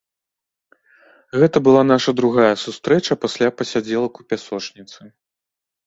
Гэта была наша другая сустрэча пасля пасядзелак у пясочніцы.